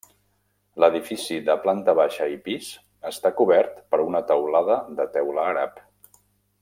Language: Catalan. L’edifici, de planta baixa i pis, està cobert per una teulada de teula àrab.